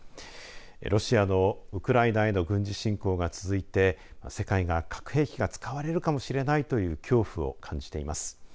ロシアのウクライナへの軍事侵攻が続いて世界が核兵器が使われるかもしれないという恐怖を感じています。